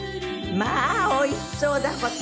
まあおいしそうだこと。